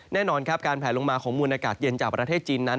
แน่นอนครับการแผลลงมาของมวลอากาศเย็นจากประเทศจีนนั้น